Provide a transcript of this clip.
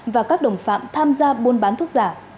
và các đồng phạm tham gia buôn bán thuốc giả